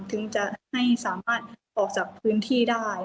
ถึงจะให้สามารถออกจากพื้นที่ได้